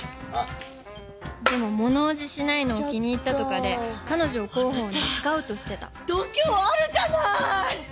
でも物おじしないのを気に入ったとかで彼女を広報にスカウトしてたあなた度胸あるじゃない！